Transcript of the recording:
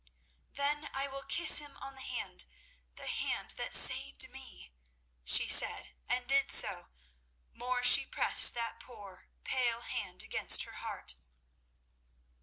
"Then I will kiss him on the hand—the hand that saved me," she said, and did so. More, she pressed that poor, pale hand against her heart.